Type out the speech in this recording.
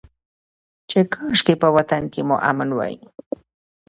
چې کاشکي په وطن کې مو امن وى.